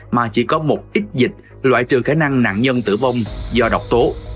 mà chỉ có một ít dịch loại trừ khả năng nạn nhân tử vong do độc tố